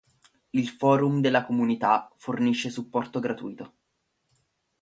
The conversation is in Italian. Il forum della comunità fornisce supporto gratuito.